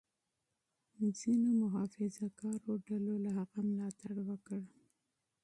ځینو محافظه کارو ډلو له هغه ملاتړ وکړ.